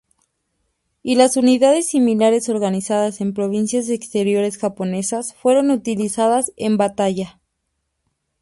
Y las unidades similares organizadas en provincias exteriores japonesas fueron utilizadas en batalla.